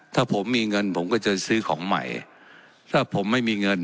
ถ้าผมมีเงินผมก็จะซื้อของใหม่ถ้าผมไม่มีเงิน